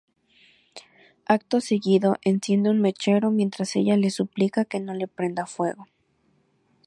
Acto seguido, enciende un mechero mientras ella le suplica que no le prenda fuego.